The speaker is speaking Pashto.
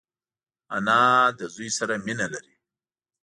انا له زوی سره مینه لري